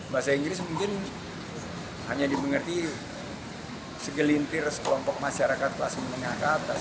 bahasa inggris mungkin hanya dimengerti segelintir sekelompok masyarakat kelas menengah ke atas